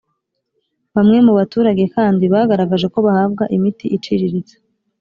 Bamwe mu baturage kandi bagaragaje ko bahabwa imiti iciririritse